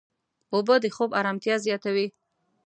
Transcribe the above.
اوبه د خوب ارامتیا زیاتوي.